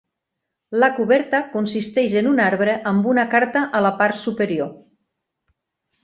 La coberta consisteix en un arbre amb una carta a la part superior.